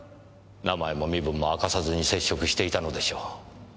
名前も身分も明かさずに接触していたのでしょう。